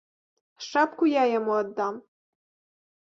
Шапку я яму аддам.